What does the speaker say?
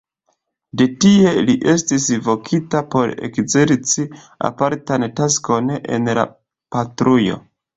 De tie li estis vokita por ekzerci apartan taskon en la patrujo.